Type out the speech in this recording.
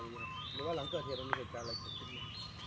หรือว่าหลังเกิดเทียบมีเหตุการณ์อะไรขึ้น